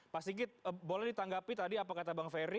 pak sigit boleh ditanggapi tadi apa kata bang ferry